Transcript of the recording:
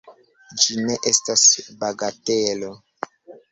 Ĝi ne estas bagatelo!